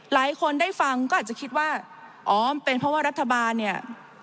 หลายคนได้ฟังก็อาจจะคิดว่าอ๋อเป็นเพราะว่ารัฐบาลเนี่ย